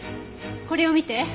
これを見て。